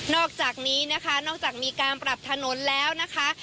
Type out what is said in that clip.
อกจากนี้นะคะนอกจากมีการปรับถนนแล้วนะคะ